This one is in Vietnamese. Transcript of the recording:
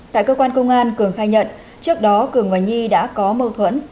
tại cơ quan công an cường khai nhận trước đó cường và nhi đã có mâu thuẫn